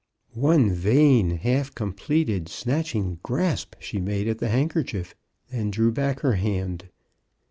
One vain, half completed, snatching grasp she made at the handkerchief, and then drew back her hand.